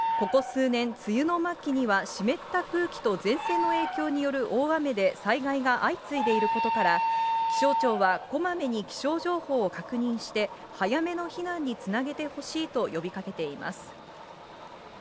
ここ数年、梅雨の末期には、湿った空気と前線の影響による大雨で災害が相次いでいることから、気象庁はこまめに気象情報を確認して、早めの避難につなげてほしいと呼びかけています。